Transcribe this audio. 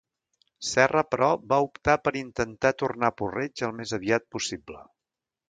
Serra, però, va optar per intentar tornar a Puig-reig al més aviat possible.